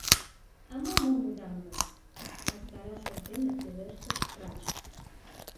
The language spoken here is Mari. — А мый мом лудам гын? — мыскара шот дене пелештыш врач.